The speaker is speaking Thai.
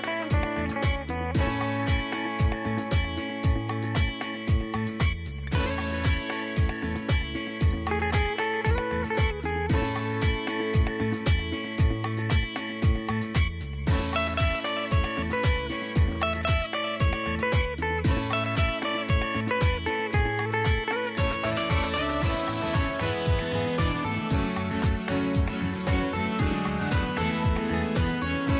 โปรดติดตามตอนต่อไป